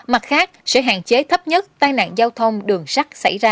mặt khác sẽ hạn chế thấp nhất tai nạn giao thông đường sắt xảy ra